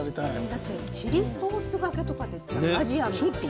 だってチリソースがけとかってアジアンな。ね。